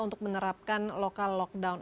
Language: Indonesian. untuk menerapkan lokal lockdown